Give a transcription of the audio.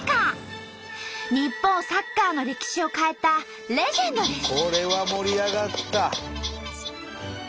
日本サッカーの歴史を変えたレジェンドです。